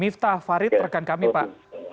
miftah farid rekan kami pak